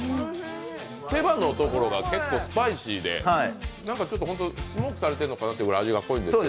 手羽のところがスパイシーでスモークされてるのかなってぐらい味が濃いですね。